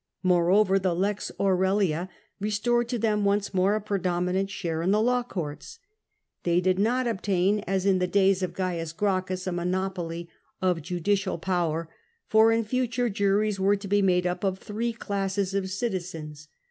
Moreover, the Lex Aurelia, restored to them once more a predominant share in the law courts. They did not obtain, as in the days of Caius Gracchus, a monopoly of judicial power, for in future juries were to be made up of three classes of citizens.